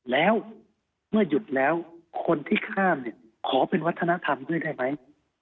แล้วเมื่อหยุดแล้วคนที่ข้ามเนี่ยขอเป็นวัฒนธรรมด้วยได้ไหม